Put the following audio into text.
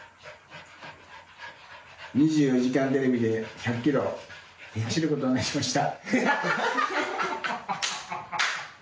２４時間テレビで１００キロ走ることになりました。